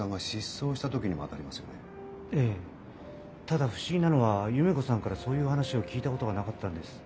ただ不思議なのは夢子さんからそういう話を聞いたことがなかったんです。